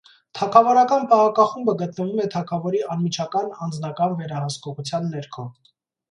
Թագավորական պահակախումբը գտնվում է թագավորի անմիջական անձնական վերահսկողության ներքո։